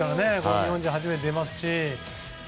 日本人で初めて出ますし。